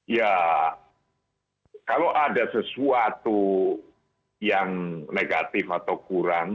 ya kalau ada sesuatu yang negatif atau kurang